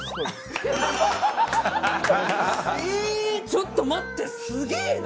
ちょっと待ってすげえな！